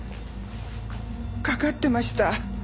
かかってました。